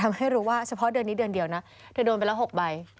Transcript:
ไม่รู้ว่าเฉพาะเดือนนี้เดือนเดียวนะเธอโดนไปละ๖ใบ